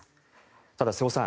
ただ、瀬尾さん